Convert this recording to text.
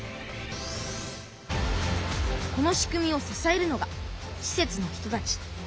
この仕組みをささえるのがしせつの人たち。